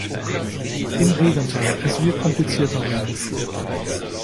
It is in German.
Im Gegenteil, es wird komplizierter werden.